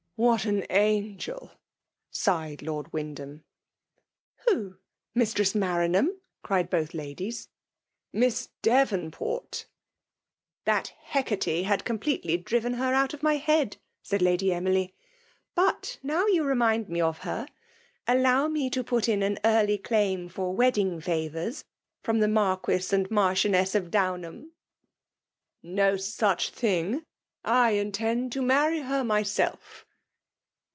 "What an angel !" sighed Lord Wyndham. *' fFho, — Mistress Maranham?" cried both ladies. Miss Devonport !'' That Hecate had completely driven her out of my head !" said Lady Emily. " But now you remind me of her, allow me to put in an early claim for wedding favours from the .Marquifi and Marchioness of Downham." *■" No such thing !— I intend to marry her myself."